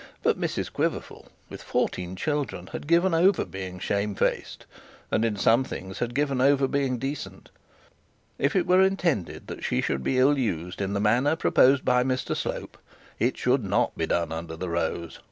But Mrs Quiverful, with fourteen children, had given over being shamefaced, and, in some things, had given over being decent. If it were intended that she should be ill used in the manner proposed by Mr Slope, it should not be done under the rose.